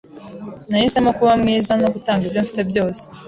Nahisemo kuba mwiza no gutanga ibyo mfite byose.